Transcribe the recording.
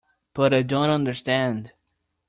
But I don't understand.